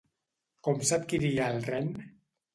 Com s'adquiria el Ren?